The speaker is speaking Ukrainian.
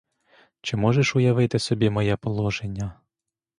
Чи можеш уявити собі моє положення?